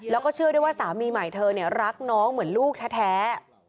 แล้วก็เชื่อด้วยว่าสามีใหม่เธอรักน้องเหมือนลูกแท้